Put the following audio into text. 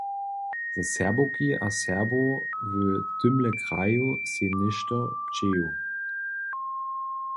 Za Serbowki a Serbow w tymle kraju sej něšto přeju.